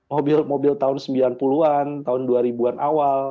mobil mobil tahun sembilan puluh an tahun dua ribu an awal